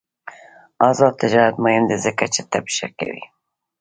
آزاد تجارت مهم دی ځکه چې طب ښه کوي.